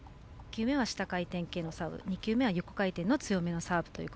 １球目は下回転のサーブ２球目は横回転の強めのサーブ。